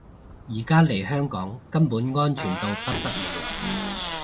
而家嚟香港根本安全到不得了